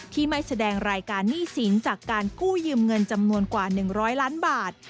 ที่ไม่แสดงรายการหนี้สินจากการกู้ยืมเงินจำนวนกว่า๑๐๐ล้านบาท